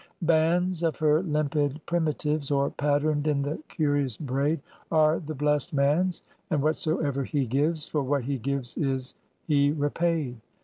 Bands of her limpid primitives, Or patterned in the curious braid, Are the blest man's; and whatsoever he gives, For what he gives is he repaid.